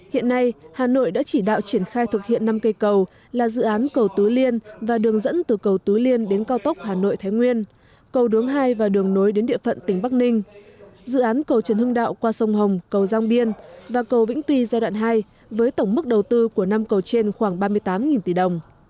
hiện nay hà nội đã chỉ đạo triển khai thực hiện năm cây cầu là dự án cầu tứ liên và đường dẫn từ cầu tứ liên đến cao tốc hà nội thái nguyên cầu đuống hai và đường nối đến địa phận tỉnh bắc ninh dự án cầu trần hưng đạo qua sông hồng cầu giang biên và cầu vĩnh tuy giai đoạn hai với tổng mức đầu tư của năm cầu trên khoảng ba mươi tám tỷ đồng